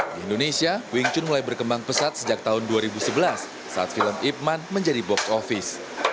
di indonesia wing chun mulai berkembang pesat sejak tahun dua ribu sebelas saat film ipman menjadi box office